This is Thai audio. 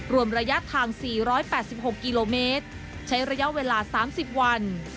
รวมระยะทาง๔๘๖กิโลเมตรใช้ระยะเวลา๓๐วัน